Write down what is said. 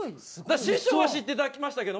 師匠は知っていただきましたが。